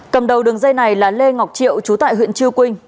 cầm đầu đường dây này là lê ngọc triệu trú tại huyện chư quynh